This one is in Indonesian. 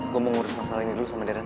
gue mau ngurus masalah ini dulu sama daerah